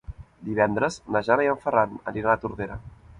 Divendres na Jana i en Ferran aniran a Tordera.